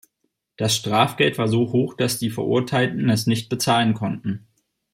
Das Strafgeld war so hoch, dass die Verurteilten es nicht bezahlen konnten.